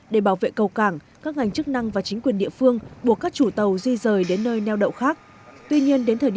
để bảo vệ cầu cảng các ngành chức năng và chính quyền địa phương đã đặt tàu thép vào cầu cảng